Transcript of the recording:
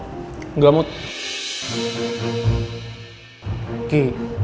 kita kan udah berhenti